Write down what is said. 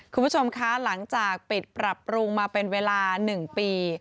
คุณผู้ชมคะหลังจากปิดปรับปรุงมาเป็นเวลา๑ปี